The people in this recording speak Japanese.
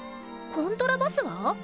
コントラバスは？